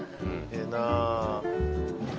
ええなあ。